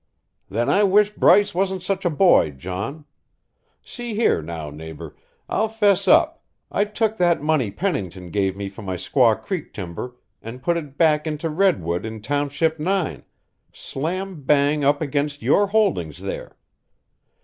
"Then I wish Bryce wasn't such a boy, John. See here, now, neighbour. I'll 'fess up. I took that money Pennington gave me for my Squaw Creek timber and put it back into redwood in Township Nine, slam bang up against your holdings there.